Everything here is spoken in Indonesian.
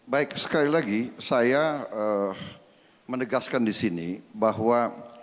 baik sekali lagi saya menegaskan di sini bahwa